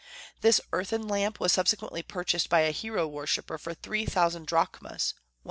This earthen lamp was subsequently purchased by a hero worshipper for three thousand drachmas ($150).